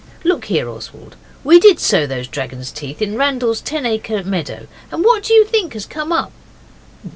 'Look here, Oswald. We did sow those dragon's teeth in Randall's ten acre meadow, and what do you think has come up?